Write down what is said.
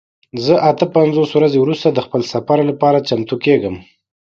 زه اته پنځوس ورځې وروسته د خپل سفر لپاره چمتو کیږم.